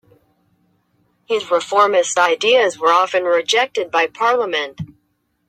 His reformist ideas were often rejected by Parliament.